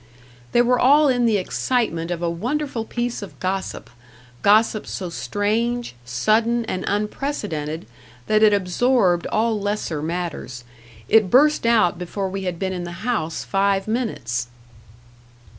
They were all in the excitement of a wonderful piece of gossip; gossip so strange, sudden, and unprecedented, that it absorbed all lesser matters. It burst out before we had been in the house five minutes.